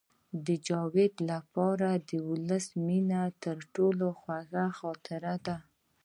د جاوید لپاره د ولس مینه تر ټولو خوږه خاطره ده